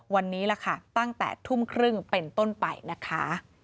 วันนี้ล่ะค่ะตั้งแต่ทุ่มครึ่งเป็นต้นไปนะคะ